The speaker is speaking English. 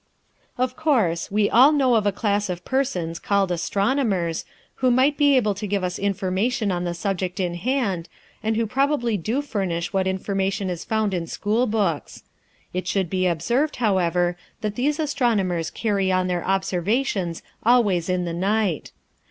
Of course, we all know of a class of persons called astronomers, who might be able to give us information on the subject in hand, and who probably do furnish what information is found in school books. It should be observed, however, that these astronomers carry on their observations always in the night.